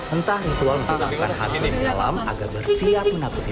entah ritual untuk melakukan hal di dalam agar bersiap menakutkan